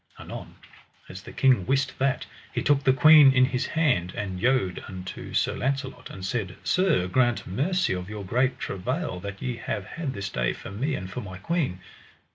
Anon as the king wist that, he took the queen in his hand, and yode unto Sir Launcelot, and said: Sir, grant mercy of your great travail that ye have had this day for me and for my queen.